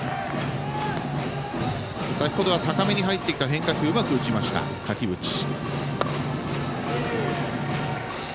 先ほどは高めに入ってきた変化球をうまく打ちました、垣淵。